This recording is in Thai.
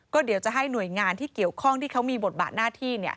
ก็เดี๋ยวจะให้หน่วยงานที่เกี่ยวข้องที่เขามีบทบาทหน้าที่